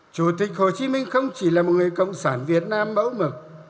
chủ tịch hồ chí minh không chỉ là một người cộng sản việt nam bẫu mực